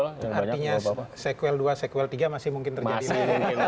artinya sequel dua sequel tiga masih mungkin terjadi